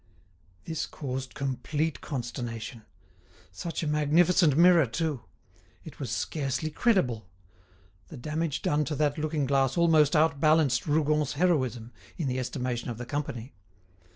This caused complete consternation. Such a magnificent mirror, too! It was scarcely credible! the damage done to that looking glass almost out balanced Rougon's heroism, in the estimation of the company.